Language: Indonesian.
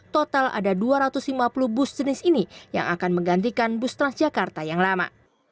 total ada dua ratus lima puluh bus jenis ini yang akan menggantikan bus transjakarta yang lama